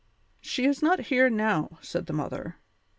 "She is not here now," said the mother.